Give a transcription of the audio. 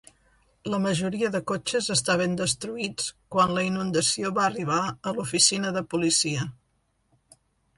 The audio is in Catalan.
La majoria de cotxes estaven destruïts quan la inundació va arribar a l'oficina de policia.